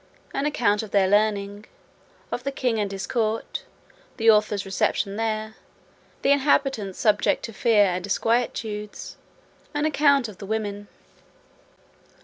An account of their learning. Of the king and his court. The author's reception there. The inhabitants subject to fear and disquietudes. An account of the women.